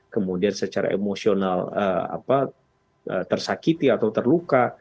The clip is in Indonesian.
kemudian secara emosional tersakiti atau terluka